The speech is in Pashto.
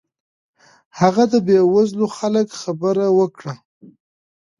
هغه د بې وزلو خلکو خبره وکړه.